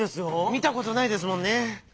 みたことないですもんね。